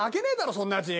そんなやつに。